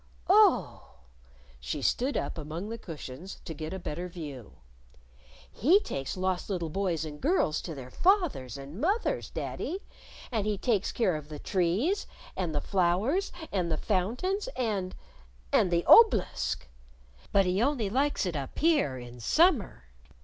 "Oh!" she stood up among the cushions to get a better view. "He takes lost little boys and girls to their fath ers and moth ers, daddy, and he takes care of the trees, and the flowers, and the fountains, and and the ob'lisk. But he only likes it up here in summer.